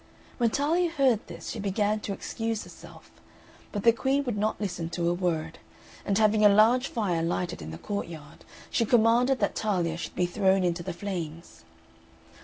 When Talia heard this she began to excuse herself; but the Queen would not listen to a word; and having a large fire lighted in the courtyard, she commanded that Talia should be thrown into the flames.